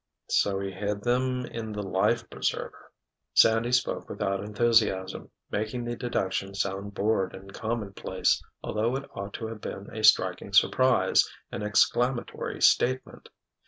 "So he hid them in the life preserver." Sandy spoke without enthusiasm, making the deduction sound bored and commonplace, although it ought to have been a striking surprise, an exclamatory statement.